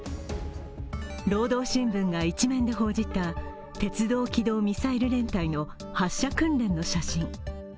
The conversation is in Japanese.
「労働新聞」が一面で報じた、鉄道軌道ミサイル連隊の発射訓練の写真。